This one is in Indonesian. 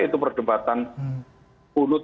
itu perdebatan kunud